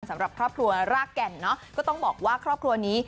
สำหรับครอบครัวรากแก่นเนอะก็ต้องบอกว่าครอบครัวนี้